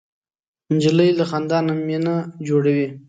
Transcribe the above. نجلۍ له خندا نه مینه جوړوي.